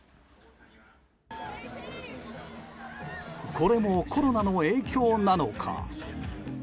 これもコロナの影響なのか。